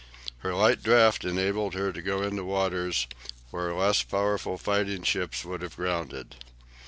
Her light draught enabled her to go into waters where less powerful fighting ships would have grounded.